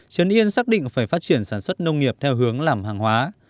trấn yên xác định phải phát triển sản xuất nông nghiệp theo hướng làm hàng hóa